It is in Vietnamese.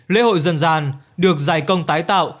lễ hội dân gian được giải công tái tạo